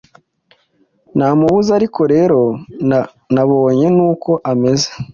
Namubuze, ariko rero nabonye, nuko ameze